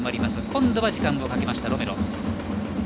今度は時間をかけましたロメロ。